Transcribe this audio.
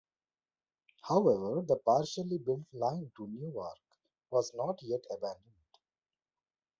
However the partially built line to Newark was not yet abandoned.